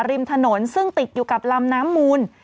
ริมถนนซึ่งติดอยู่กับลำน้ำมูล